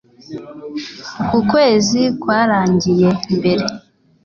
uku kwezi kwarangiye mbere